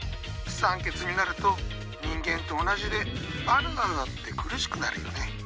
酸欠になると人間と同じでバナナだって苦しくなるよね。